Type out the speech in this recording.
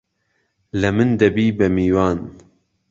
له من دهبی به میوان